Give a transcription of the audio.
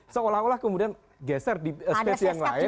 seolah olah kemudian geser di spesi yang lain